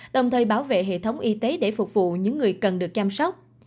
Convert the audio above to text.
đồng thời bảo vệ hệ thống y tế để phục vụ những người cần được chăm sóc